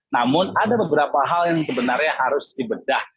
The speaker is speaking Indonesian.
namun ada beberapa hal yang sebenarnya harus dibedah